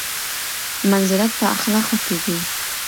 منزلت په اخلاقو کې دی.